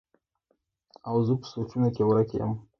او زۀ پۀ سوچونو کښې ورک يم